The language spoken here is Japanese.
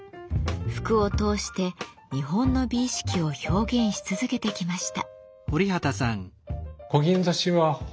服を通して日本の美意識を表現し続けてきました。